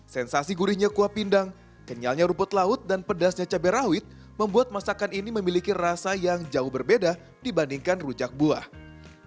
sensasi gurihnya kuah pindang kenyalnya rumput laut dan pedasnya cabai rawit membuat masakan ini memiliki rasa yang jauh berbeda dibandingkan rujak buah